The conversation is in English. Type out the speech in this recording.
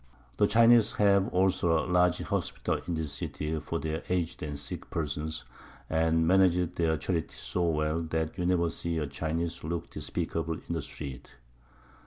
The Chinese have also a large Hospital in this City for their Aged and Sick Persons, and manage their Charity so well, that you never see a Chinese look despicable in the street.